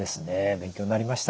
勉強になりました。